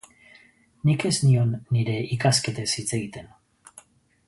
Nik ez nion nire ikasketez hitz egiten.